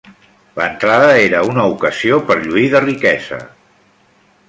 L'entrada era una ocasió per lluir de riquesa.